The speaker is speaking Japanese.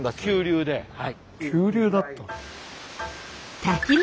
急流だったの？